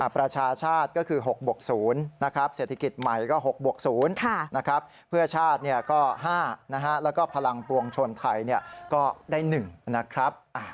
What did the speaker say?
ประชาชาศตน์ก็คือ๖บวก๐นะครับ